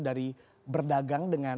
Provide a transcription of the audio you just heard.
dari berdagang dengan